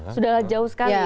sudah jauh sekali